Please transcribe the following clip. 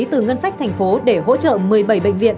từ ngân sách thành phố để hỗ trợ một mươi bảy bệnh viện